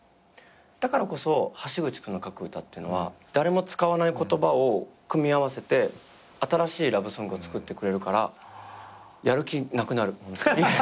だからこそ橋口君の書く歌っていうのは誰も使わない言葉を組み合わせて新しいラブソングを作ってくれるからやる気なくなる。